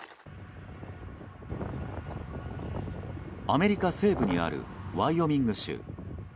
アメリカ西部にあるワイオミング州。